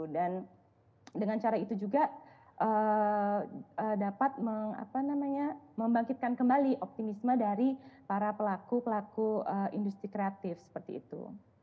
dan dengan cara itu juga dapat membangkitkan kembali optimisme dari para pelaku pelaku industri kreatif seperti itu